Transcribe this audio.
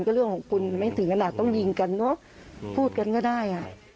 ก็เรื่องของคุณไม่ถึงขนาดต้องยิงกันเนอะพูดกันก็ได้อ่ะ